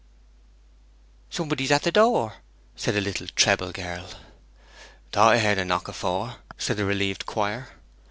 'Somebody's at the door!' said a little treble girl. 'Thought I heard a knock before!' said the relieved choir.